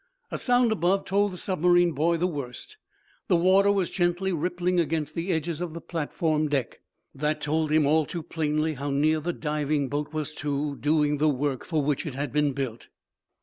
A sound above told the submarine boy the worst. The water was gently rippling against the edges of the platform deck. That told him, all to plainly, how near the diving boat was to doing the work for which it had been built.